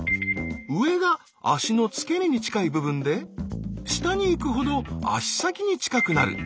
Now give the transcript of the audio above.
上が足の付け根に近い部分で下に行くほど足先に近くなる。